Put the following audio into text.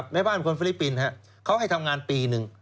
แม่บ้านคนฟิลิปปินส์เขาให้ทำงานปีหนึ่ง